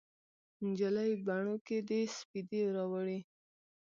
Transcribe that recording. نجلۍ بڼو کې دې سپیدې راوړي